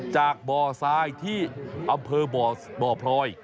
จากบ่อทรายที่อำเภอบ่อพลอย